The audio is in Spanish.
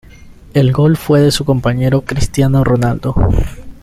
El gol fue de su compañero Cristiano Ronaldo.